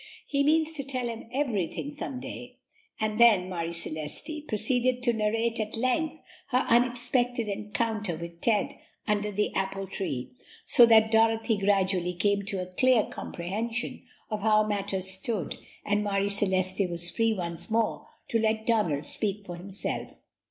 He means to tell him everything some day." And then Marie Celeste proceeded to narrate at length her unexpected encounter with Ted under the apple tree, so that Dorothy gradually came to a clear comprehension of how matters stood, and Marie Celeste was free once more to let Donald speak for himself.